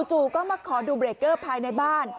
ก็มาขอดูเบรกเกอร์ภายในบ้าน